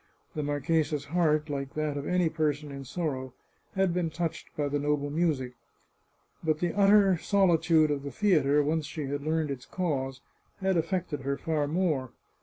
The marchesa's heart, like that of any person in sorrow, had been touched by the noble music. But the utter soli tude of the theatre, once she had learned its cause, had 514 The Chartreuse of Parma aflfected her far more.